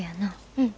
うん。